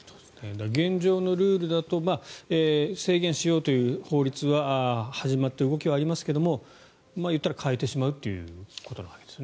現状のルールだと制限しようという法律は始まって、動きはありますがいったら買えてしまうということですね